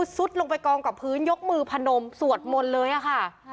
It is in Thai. สุดลงไปกองกับพื้นยกมือพนมสวดมนต์เลยค่ะ